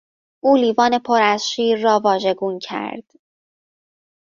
او لیوان پر از شیر را واژگون کرد.